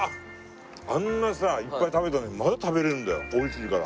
あんなさいっぱい食べたのにまだ食べられるんだよ美味しいから。